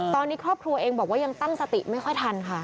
ตอนนี้ครอบครัวเองบอกว่ายังตั้งสติไม่ค่อยทันค่ะ